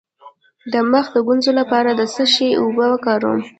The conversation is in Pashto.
د مخ د ګونځو لپاره د څه شي اوبه وکاروم؟